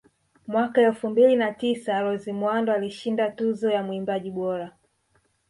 Mwaka elfu mbili na tisa Rose Muhando alishinda Tuzo ya Mwimbaji bora